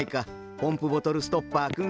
ポンプボトルストッパーくん。